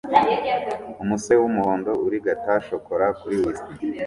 Umusore wumuhondo urigata shokora kuri whisk